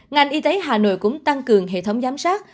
ngành y tế hà nội cũng tăng cường hệ thống giám sát